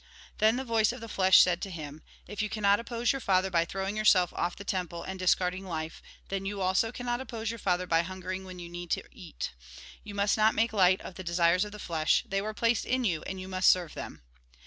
Then the voice of the flesh said to him :" If you cannot oppose your Father by throwing yourself off the temple and discarding life, then you also cannot oppose your Father by hungering when you need to eat. You must not make light of the desires of the flesh ; they were placed in you, and you must serve them."